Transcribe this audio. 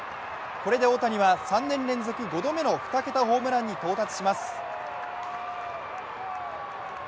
これで大谷は３年連続、５度目の２桁ホームランに到達します。